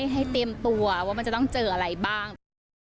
ให้เตรียมตัวว่ามันจะต้องเจออะไรบ้าง